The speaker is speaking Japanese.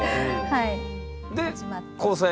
はい。